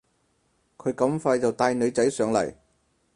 佢咁快就帶女仔上嚟